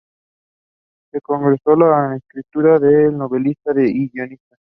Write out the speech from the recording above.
Se consagró luego a la escritura, como novelista y guionista.